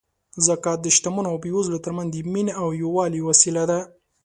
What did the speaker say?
زکات د شتمنو او بېوزلو ترمنځ د مینې او یووالي وسیله ده.